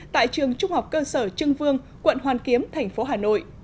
tại trường trung học cơ sở trưng vương quận hoàn kiếm thành phố hà nội